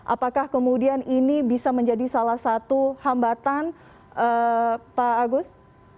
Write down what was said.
apakah kemudian ini bisa menjadi salah satu hambatan pak agus